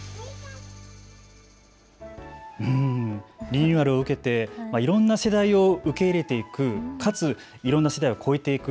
リニューアルを受けていろんな世代を受け入れていくかつ、いろんな世代をこえていく。